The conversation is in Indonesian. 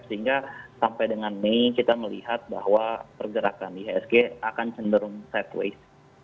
sehingga sampai dengan mei kita melihat bahwa pergerakan ihsg akan cenderung sideways